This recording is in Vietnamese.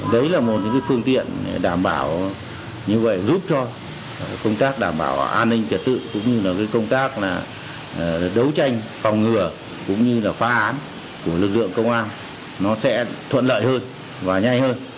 đấy là một phương tiện đảm bảo như vậy giúp cho công tác đảm bảo an ninh trật tự cũng như là công tác đấu tranh phòng ngừa cũng như là phá án của lực lượng công an nó sẽ thuận lợi hơn và nhanh hơn